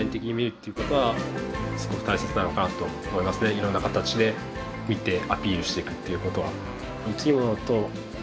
いろんな形で見てアピールしていくっていうことは。